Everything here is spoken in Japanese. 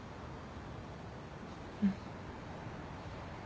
うん。